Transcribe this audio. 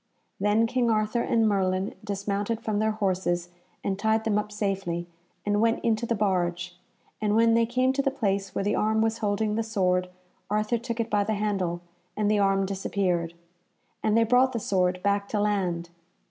Then King Arthur and Merlin dismounted from their horses and tied them up safely, and went into the barge, and when they came to the place where the arm was holding the sword Arthur took it by the handle, and the arm disappeared. And they brought the sword back to land.